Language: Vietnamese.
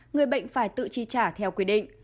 người bệnh phải tự chi trả theo quy định